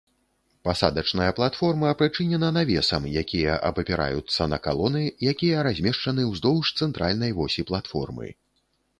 Пасадачная платформа прычынена навесам, якія абапіраюцца на калоны, якія размешчаны ўздоўж цэнтральнай восі платформы.